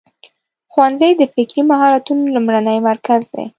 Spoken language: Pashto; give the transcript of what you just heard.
ښوونځی د فکري مهارتونو لومړنی مرکز دی.